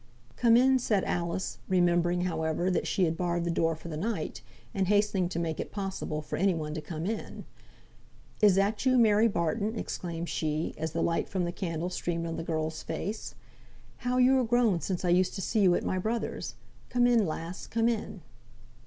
"Come in," said Alice, remembering, however, that she had barred the door for the night, and hastening to make it possible for any one to come in. "Is that you, Mary Barton?" exclaimed she, as the light from her candle streamed on the girl's face. "How you are grown since I used to see you at my brother's! Come in, lass, come in."